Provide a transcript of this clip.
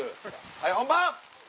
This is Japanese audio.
はい本番！